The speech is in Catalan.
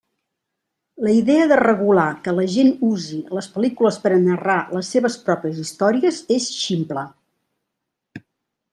La idea de regular que la gent usi les pel·lícules per a narrar les seves pròpies històries és ximple.